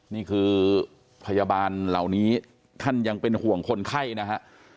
นี่คือพยาบาลเหล่านี้ท่านยังเป็นห่วงคนไข้นะฮะ